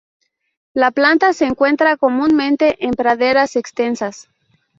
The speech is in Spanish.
La planta se encuentra comúnmente en praderas extensas.